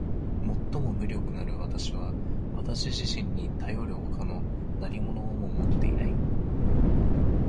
最も無力なる私は私自身にたよる外の何物をも持っていない。